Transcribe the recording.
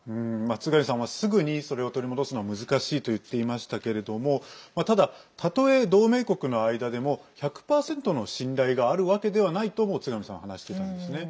津上さんはすぐにそれを取り戻すのは難しいと言っていましたけれどもただ、たとえ同盟国の間でも１００％の信頼があるわけではないとも津上さんは話していたんですね。